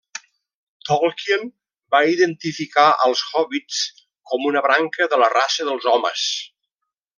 Tolkien va identificar als hòbbits com una branca de la raça dels Homes.